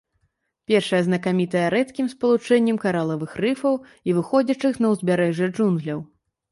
Першая знакамітая рэдкім спалучэннем каралавых рыфаў і выходзячых на ўзбярэжжа джунгляў.